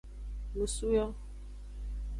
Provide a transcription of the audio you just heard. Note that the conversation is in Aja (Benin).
Nusu yo.